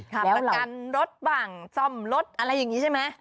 ประกันรถบ้างซ่อมรถอะไรอย่างนี้ใช่ไหม